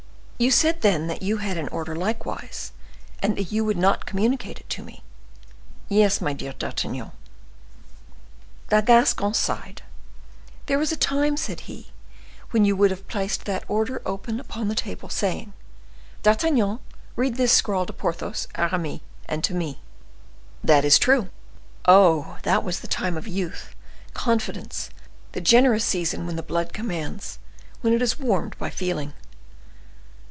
"You said, then, that you had an order likewise, and that you would not communicate it to me." "Yes, my dear D'Artagnan." The Gascon sighed. "There was a time," said he, "when you would have placed that order open upon the table, saying, 'D'Artagnan, read this scrawl to Porthos, Aramis, and to me.'" "That is true. Oh! that was the time of youth, confidence, the generous season when the blood commands, when it is warmed by feeling!"